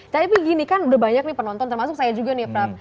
tapi gini kan udah banyak nih penonton termasuk saya juga nih prap